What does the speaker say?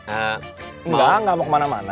enggak nggak mau kemana mana